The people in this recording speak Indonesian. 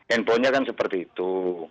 infonya kan seperti itu